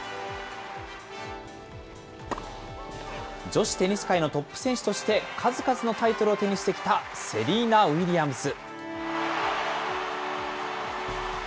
女子テニス界のトップ選手として数々のタイトルを手にしてきたセリーナ・ウィリアムズ。